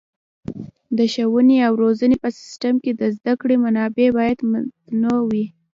د ښوونې او روزنې په سیستم کې د زده کړې منابع باید متنوع وي.